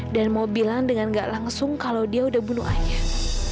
dan mau bilang dengan gak langsung kalau dia udah bunuh ayah